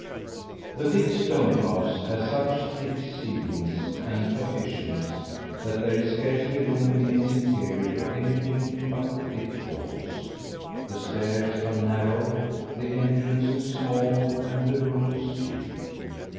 The big stone house has such thick ceilings and partitions that there is scarcely room in its interior for anything but the thick walls. The stairs are narrow, the entrances small; and the rooms few.